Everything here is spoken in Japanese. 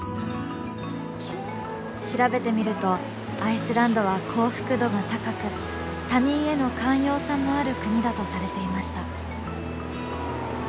調べてみるとアイスランドは幸福度が高く他人への寛容さもある国だとされていました。